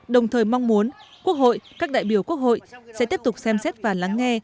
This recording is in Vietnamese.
đồng thời mong muốn quốc hội các đại biểu quốc hội sẽ tiếp tục xem xét và lắng nghe